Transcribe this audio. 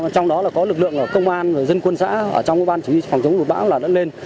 trong đó là có lực lượng công an dân quân xã ở trong ban chủ yếu phòng chống đột bão là đã lên